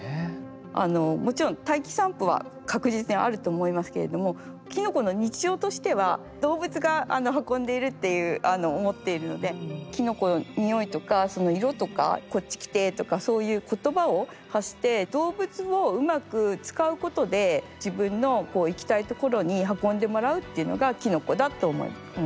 もちろん大気散布は確実にあると思いますけれどもていう思っているのでキノコの匂いとか色とか「こっち来て」とかそういう言葉を発して動物をうまく使うことで自分の行きたいところに運んでもらうっていうのがキノコだと思います。